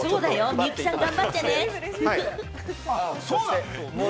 みゆきさん、頑張ってね！